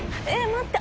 待って。